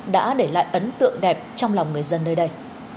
đã để lại ấn tượng đẹp trong lòng người dân nơi đây